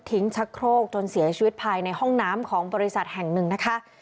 ชักโครกจนเสียชีวิตภายในห้องน้ำของบริษัทแห่งหนึ่งนะคะ